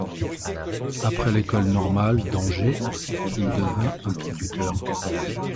Après l'École normale d'Angers, il devint instituteur.